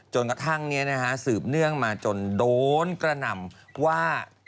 จนกระทั่งนี้นะฮะสืบเนื่องมาจนโดนกระหน่ำว่า